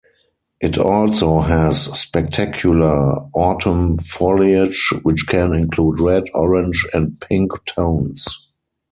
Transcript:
It also has spectacular autumn foliage which can include red, orange and pink tones.